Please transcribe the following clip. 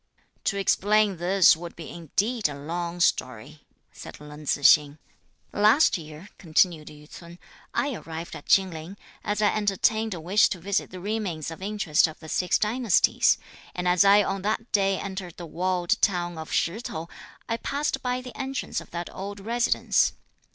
"To explain this would be indeed a long story," said Leng Tzu hsing. "Last year," continued Yü ts'un, "I arrived at Chin Ling, as I entertained a wish to visit the remains of interest of the six dynasties, and as I on that day entered the walled town of Shih T'ou, I passed by the entrance of that old residence.